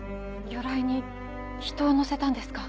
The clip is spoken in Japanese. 魚雷に人を乗せたんですか？